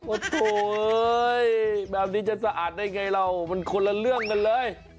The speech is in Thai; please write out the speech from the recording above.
โอ้โหแบบนี้จะสะอาดได้ไงเรามันคนละเรื่องกันเลย